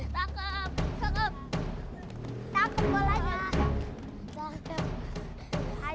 tapi aku jakarta